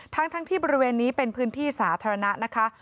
ทั้งที่บริเวณนี้เป็นพื้นที่สาธารณะนะคะ